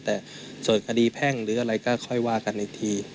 แต่ส่วนคดีแพ่งหรืออะไรก็ค่อยว่ากันอีกที